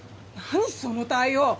何その対応